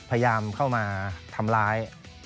พยายามเข้ามาทำร้าย